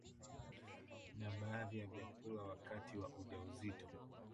na baadhi ya vyakula wakati wa ujauzito